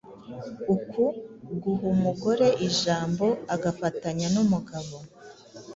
Uku guha umugore ijambo agafatanya n’umugabo